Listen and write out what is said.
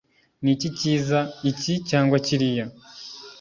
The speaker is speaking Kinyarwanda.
niki cyiza, iki cyangwa kiriya?